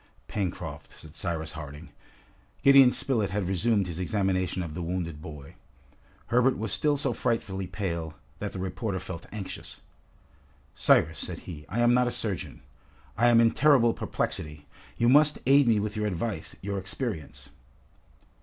"Pencroft!" said Cyrus Harding. Gideon Spilett had resumed his examination of the wounded boy. Herbert was still so frightfully pale, that the reporter felt anxious. "Cyrus," said he, "I am not a surgeon. I am in terrible perplexity. You must aid me with your advice, your experience!"